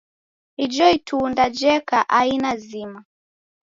Ijo itunda jeka aina zima.